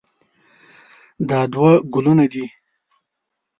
دا دوه ګلونه دي.